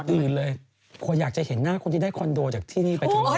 อื่นเลยคนอยากจะเห็นหน้าคนที่ได้คอนโดจากที่นี่ไปถึงไหน